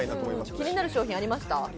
気になる商品ありましたか？